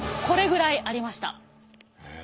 これぐらいありました。